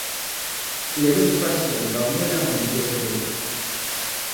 Левин спросил, давно ли она видела Долли.